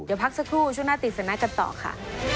เดี๋ยวพักสักครู่ช่วงหน้าตีสันหน้ากันต่อค่ะ